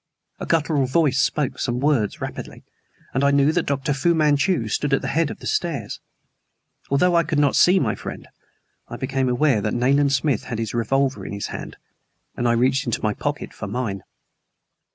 A guttural voice spoke some words rapidly, and I knew that Dr. Fu Manchu stood at the head of the stairs. Although I could not see my friend, I became aware that Nayland Smith had his revolver in his hand, and I reached into my pocket for mine.